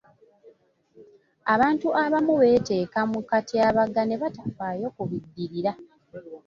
Abantu abamu beeteeka mu katyabaga ne batafaayo ku biddirira.